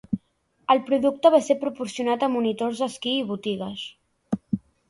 El producte va ser proporcionat a monitors d'esquí i botigues.